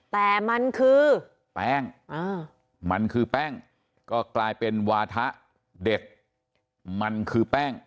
แต่มันคือแป้งมันคือแป้งก็กลายเป็นวาถะเด็ดมันคือแป้ง